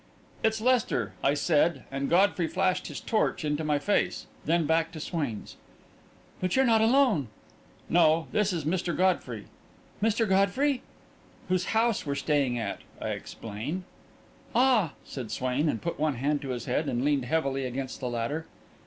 "It's Lester," I said, and Godfrey flashed his torch into my face, then back to Swain's. "But you're not alone." "No; this is Mr. Godfrey." "Mr. Godfrey?" "Whose house we're staying at," I explained. "Ah!" said Swain, and put one hand to his head and leaned heavily against the ladder.